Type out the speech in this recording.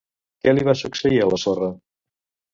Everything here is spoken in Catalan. Què li va succeir a la sorra?